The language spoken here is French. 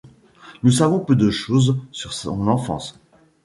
Nous savons peu de choses sur son enfance.